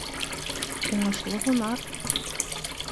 — Уңышлы һунар!